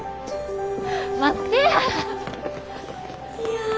待ってやー！